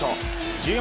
１４